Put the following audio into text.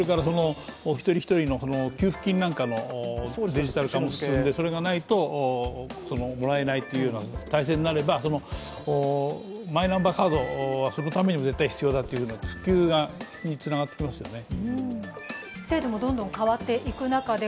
一人一人の給付金なんかのデジタル化も進んでそれがないと、もらえないというような体制になればマイナンバーカードはそのためにも絶対必要だという普及につながってきますよね。